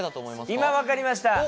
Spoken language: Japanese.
今分かりました。